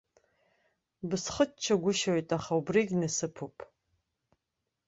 Бысхыччагәышьоит, аха убригьы насыԥуп.